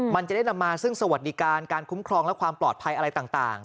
มันจะได้นำมาซึ่งสวัสดิการการคุ้มครองและความปลอดภัยอะไรต่าง